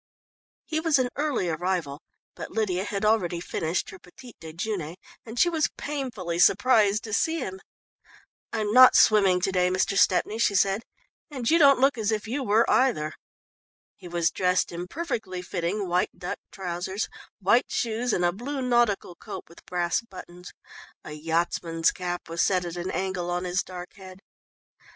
He was an early arrival, but Lydia had already finished her petite déjeuner and she was painfully surprised to see him. "I'm not swimming to day, Mr. Stepney," she said, "and you don't look as if you were either." He was dressed in perfectly fitting white duck trousers, white shoes, and a blue nautical coat with brass buttons; a yachtsman's cap was set at an angle on his dark head.